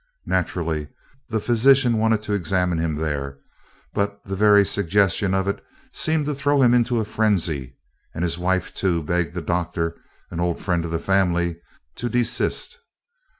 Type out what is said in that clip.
Naturally, the physician wanted to examine him there, but the very suggestion of it seemed to throw him into a frenzy; and his wife too begged the doctor, an old friend of the family, to desist.